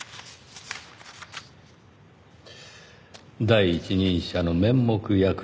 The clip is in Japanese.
第一人者の面目躍如。